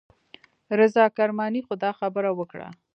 رضا کرماني خو دا خبره وکړه.